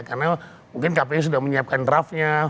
karena mungkin kpu sudah menyiapkan draftnya